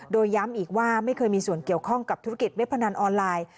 โดยย้ำอีกว่าไม่เคยมีส่วนเกี่ยวข้องกับธุรกิจเว็บพนันออนไลน์